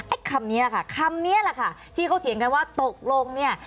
คำนี้แหละค่ะคำนี้แหละค่ะที่เขาเถียงกันว่าตกลงเนี่ย